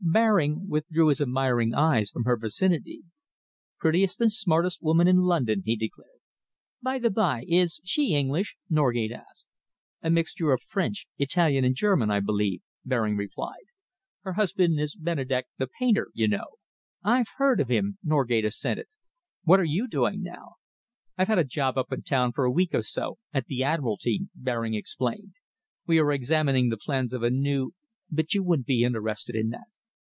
Baring withdrew his admiring eyes from her vicinity. "Prettiest and smartest woman in London," he declared. "By the by, is she English?" Norgate asked. "A mixture of French, Italian, and German, I believe," Baring replied. "Her husband is Benedek the painter, you know." "I've heard of him," Norgate assented. "What are you doing now?" "I've had a job up in town for a week or so, at the Admiralty," Baring explained. "We are examining the plans of a new but you wouldn't be interested in that."